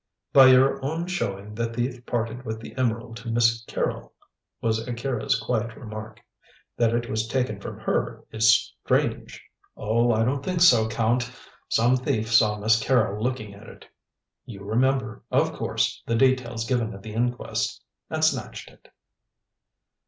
"By your own showing the thief parted with the emerald to Miss Carrol," was Akira's quiet remark. "That it was taken from her is strange." "Oh, I don't think so, Count. Some thief saw Miss Carrol looking at it you remember, of course, the details given at the inquest and snatched it."